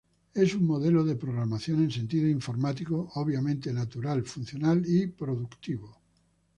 Es un modelo de programación en sentido informático, obviamente natural, funcional y productivo.